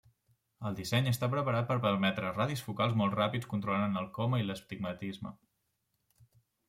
El disseny està preparat per permetre radis focals molt ràpids controlant el coma i l'astigmatisme.